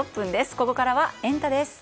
ここからはエンタ！です。